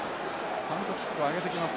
パントキックを上げてきます。